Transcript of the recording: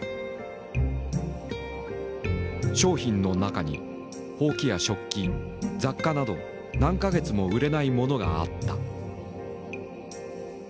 商品の中にほうきや食器雑貨など何か月も売れないものがあった。